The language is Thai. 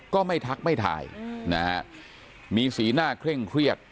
ไม่ทักไม่ถ่ายนะฮะมีสีหน้าเคร่งเครียด